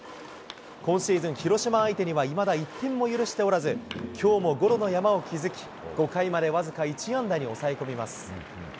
今シーズン、広島相手にはいまだ１点も許しておらず、きょうもゴロの山を築き、５回まで僅か１安打に抑え込みます。